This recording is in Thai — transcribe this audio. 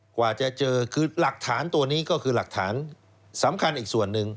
กว่าจะเจอคือหลักฐานตัวนี้ก็คือหลักฐานสำคัญอีกส่วนหนึ่ง